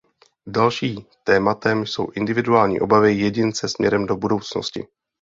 Další tématem jsou individuální obavy jedince směrem do budoucnosti.